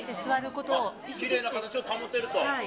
きれいな形を保てると。